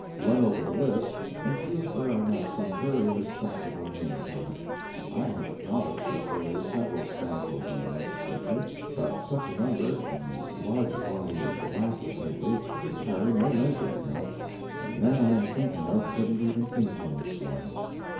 Run over the list, and see if there are not some very respectable names on it. I have acknowledged that there were several scoundrels in the Legislature, but such a number, in as large a body as the last Assembly, could carry no measure, you know, and the men I am thinking of couldn't even influence one.